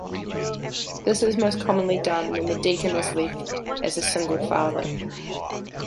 This is most commonly done when the deacon is left as a single father.